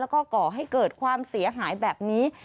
แล้วก็ก่อให้เกิดความเสียหายแบบนี้